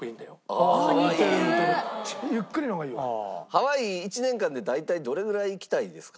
ハワイ１年間で大体どれぐらい行きたいんですか？